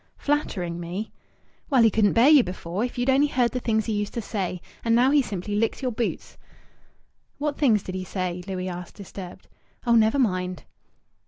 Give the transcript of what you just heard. "Flattering me?" "Well, he couldn't bear you before if you'd only heard the things he used to say! and now he simply licks your boots." "What things did he say?" Louis asked, disturbed. "Oh, never mind!"